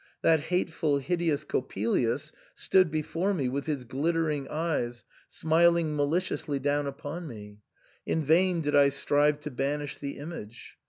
That hateful, hideous Coppelius stood before me with his glittering eyes, smiling maliciously down upon me ; in vain did I strive to banish the image.